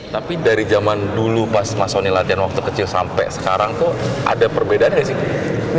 tapi dari zaman dulu pas mas soni latihan waktu kecil sampai sekarang tuh ada perbedaan nggak sih